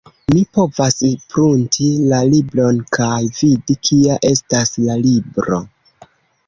Mi povas prunti la libron kaj vidi kia estas la libro.